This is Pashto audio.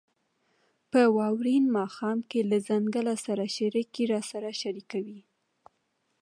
« په واورین ماښام کې له ځنګله سره» شعر کې راسره شریکوي: